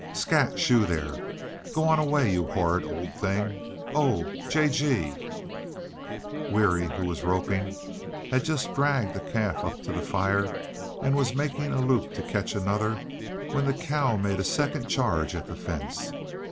"Scat! Shoo, there! Go on away, you horrid old thing you! Oh, J. G e e e!" Weary, who was roping, had just dragged a calf up to the fire and was making a loop to catch another when the cow made a second charge at the fence.